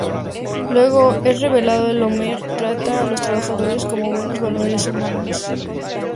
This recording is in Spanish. Luego es revelado que Homer trata a los trabajadores con buenos valores humanos.